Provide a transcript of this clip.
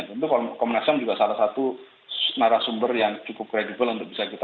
tentu komnas ham juga salah satu narasumber yang cukup kredibel untuk bisa kita